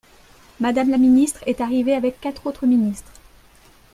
Madame la ministre est arrivée avec quatre autres ministres.